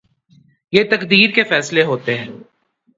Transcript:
یہ تقدیر کے فیصلے ہوتے ہیں۔